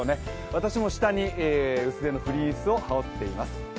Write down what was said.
私も下に薄手のフリースを羽織っています。